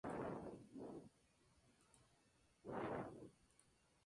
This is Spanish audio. Pero hay convicción en la ejecución del espectáculo.